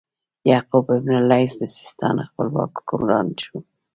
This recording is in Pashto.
یعقوب بن اللیث د سیستان خپلواک حکمران شو.